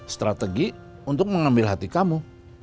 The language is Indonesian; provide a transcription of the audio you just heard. strategi untuk mengambil hati kamu